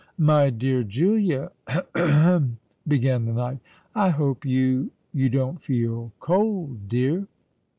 "My dear Julia—ahem!" began the knight: "I hope you—you don't feel cold, dear?"